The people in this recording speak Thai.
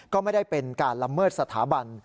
ก็ไม่ได้เป็นการละเมิดสถาบัน